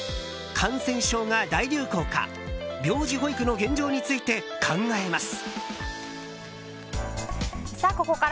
感染症が大流行か病児保育の現状について考えます。